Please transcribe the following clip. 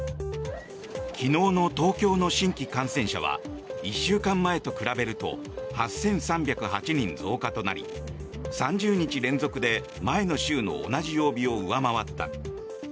昨日の東京の新規感染者は１週間前と比べると８３０８人増加となり３０日連続で前の週の同じ曜日を上回った。